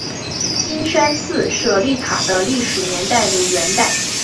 金山寺舍利塔的历史年代为元代。